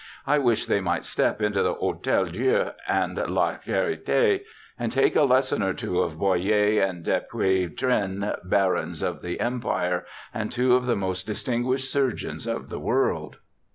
I wish they might step into the Hotel Dieu and La Charite, and take a lesson or two of Boyer and Dupuy tren, barons of the Empire, and two of the most dis tinguished surgeons in tne world.'